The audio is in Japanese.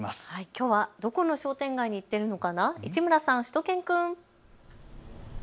きょうはどこの商店街に行っているのかな、市村さん、しゅと犬くん。